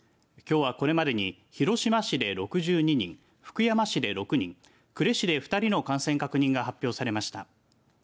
きょうは、これまでに広島市で６２人福山市で６人呉市で２人の感染確認が発表されました。